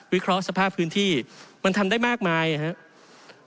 เคราะห์สภาพพื้นที่มันทำได้มากมายนะครับ